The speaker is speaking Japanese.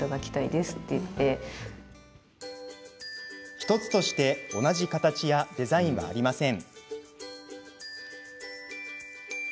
１つとして同じ形やデザインはありません。